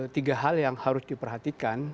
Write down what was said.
tiga hal yang harus diperhatikan